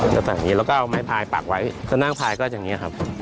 แล้วก็แบบนี้แล้วก็เอาไม้พลายปักไว้ถ้านั่งพลายก็จะอย่างนี้ครับ